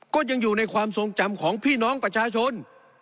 ก็ยังอยู่ในความทรงจำของพี่น้องประชาชน